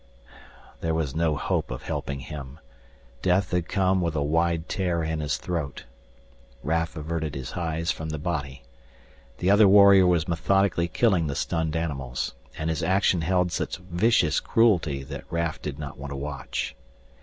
There was no hope of helping him death had come with a wide tear in his throat. Raf averted his eyes from the body. The other warrior was methodically killing the stunned animals. And his action held such vicious cruelty that Raf did not want to watch.